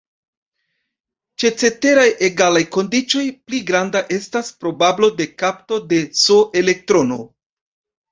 Ĉe ceteraj egalaj kondiĉoj, pli granda estas probablo de kapto de "s"-elektrono.